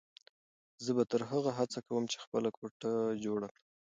زه به تر هغو هڅه کوم چې خپله کوټه جوړه کړم.